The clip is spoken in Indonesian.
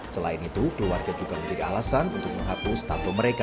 selain itu keluarga juga menjadi alasan untuk menghapus tato mereka